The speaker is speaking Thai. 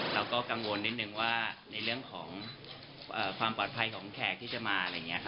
เราก็กังวลนิดหนึ่งว่าในเรื่องของความปลอดภัยของแขกที่จะมา